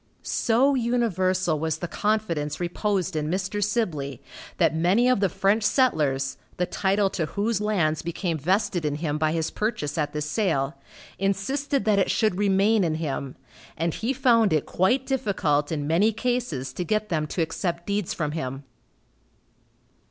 So universal was the confidence reposed in Mr. Sibley, that many of the French settlers, the title to whose lands became vested in him, by his purchase at this sale, insisted that it should remain in him, and he found it quite difficult in many cases to get them to accept deeds from him.